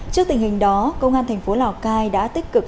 trước tình hình đó công an thành phố lào cai đã tích cực